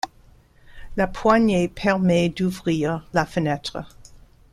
la poignée permet d'ouvrir la fenêtre